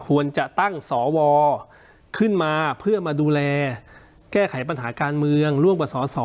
ควรจะตั้งสวขึ้นมาเพื่อมาดูแลแก้ไขปัญหาการเมืองร่วมกับสอสอ